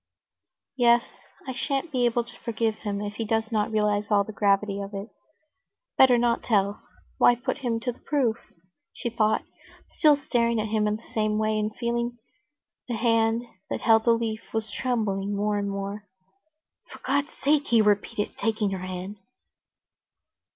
"Yes, I shan't be able to forgive him if he does not realize all the gravity of it. Better not tell; why put him to the proof?" she thought, still staring at him in the same way, and feeling the hand that held the leaf was trembling more and more. "For God's sake!" he repeated, taking her hand.